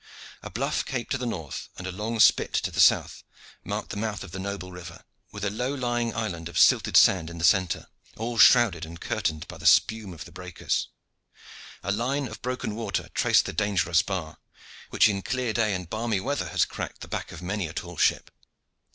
A bluff cape to the north and a long spit to the south marked the mouth of the noble river, with a low lying island of silted sand in the centre, all shrouded and curtained by the spume of the breakers. A line of broken water traced the dangerous bar, which in clear day and balmy weather has cracked the back of many a tall ship.